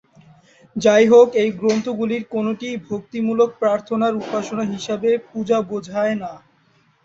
যাইহোক, এই গ্রন্থগুলির কোনটিই ভক্তিমূলক প্রার্থনার উপাসনা হিসাবে পূজা বোঝায় না।